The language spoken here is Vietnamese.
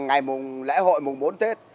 ngày lễ hội mùng bốn tết